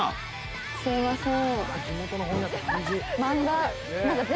すいません。